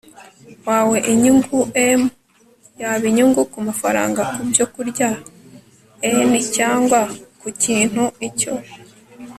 wawe inyungu m yaba inyungu ku mafaranga ku byokurya n cyangwa ku kintu icyo